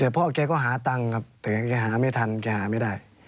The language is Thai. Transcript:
แต่พ่อแกก็หาตังค์ครับแต่แกหาไม่ทันแกหาไม่ได้